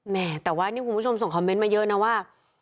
แต่ว่านี่คุณผู้ชมส่งคอมเมนต์มาเยอะนะว่า